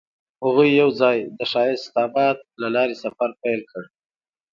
هغوی یوځای د ښایسته باد له لارې سفر پیل کړ.